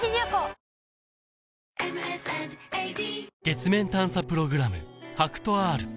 月面探査プログラム